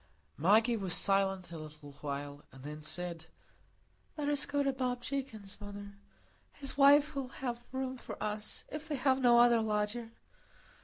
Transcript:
Maggie was silent a little while, and then said,— "Let us go to Bob Jakin's, mother; his wife will have room for us, if they have no other lodger."